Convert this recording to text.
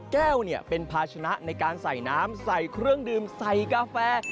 แก้วเป็นภาชนะในการใส่น้ำใส่เครื่องดื่มใส่กาแฟ